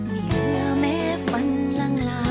มีเวลาแม้ฝันเรายิ่งเข้าใจ